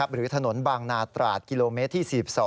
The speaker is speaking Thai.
หรือถนนบางนาตราดกิโลเมตรที่๔๒